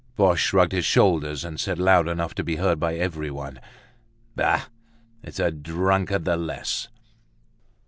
Boche shrugged his shoulders and said, loud enough to be heard by everyone: "Bah! It's a drunkard the less."